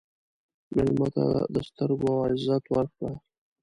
مېلمه ته د سترګو عزت ورکړه.